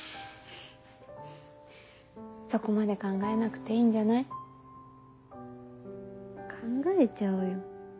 そこまで考えなくていいんじゃない？考えちゃうよ。